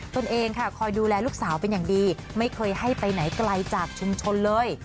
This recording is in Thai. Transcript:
ตัวเองค่ะคอยดูแลลูกสาวเป็นอย่างดีไม่เคยให้ไปไหนไกลจากชุมชนเลย